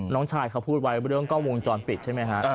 น้องชายเขาพูดไว้เรื่องกล้องวงจรปิดใช่ไหมฮะ